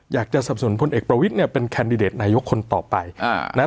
อยากจะสับสนพลเอกประวิทธเนี่ยเป็นแคนดิเดตนายกคนต่อไปนะครับ